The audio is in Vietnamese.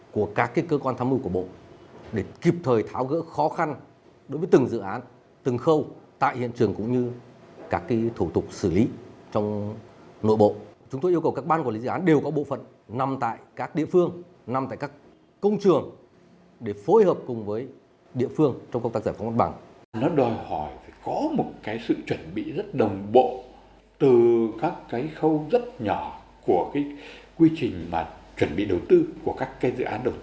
của quy trình chuẩn bị đầu tư của các dự án đầu tư công